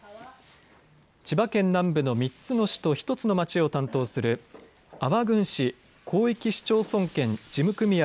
千葉県南部の３つの市と１つの町を担当する安房郡市広域市町村圏事務組合